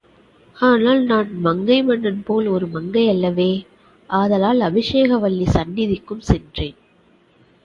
ஆனால் நான் மங்கை மன்னன் போல் ஒரு மங்கை அல்லவே, ஆதலால் அபிஷேகவல்லி சந்நிதிக்கும் சென்றேன்.